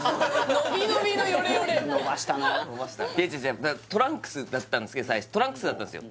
伸ばしたトランクスだったんですけど最初トランクスだったんですよ